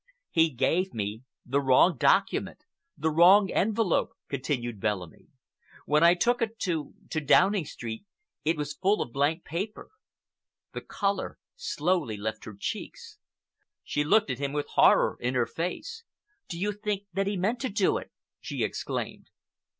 "He gave me the wrong document—the wrong envelope," continued Bellamy. "When I took it to—to Downing Street, it was full of blank paper." The color slowly left her cheeks. She looked at him with horror in her face. "Do you think that he meant to do it?" she exclaimed.